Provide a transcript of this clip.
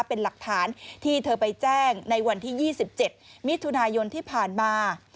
เป็นหลักฐานที่เธอไปแจ้งในวันที่๒๗มิถุนายนที่ผ่านมา